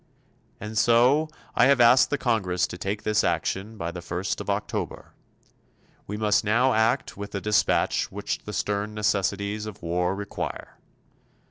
And so I have asked the Congress to take this action by the first of October. We must now act with the dispatch which the stern necessities of war require.